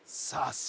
さあ